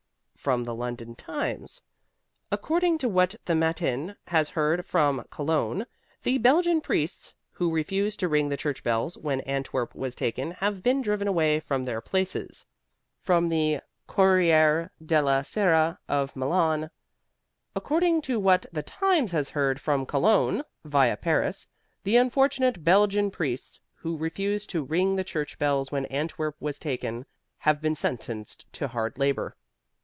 From the London Times: "According to what the Matin has heard from Cologne, the Belgian priests, who refused to ring the church bells when Antwerp was taken, have been driven away from their places." From the Corriere Della Sera, of Milan: "According to what the Times has heard from Cologne, via Paris, the unfortunate Belgian priests, who refused to ring the church bells when Antwerp was taken, have been sentenced to hard labor."